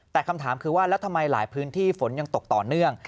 แต่คำถามคือว่าแล้วทำไมหลายพื้นที่ฝนยังตกต่อเนื่อง